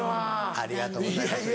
ありがとうございます。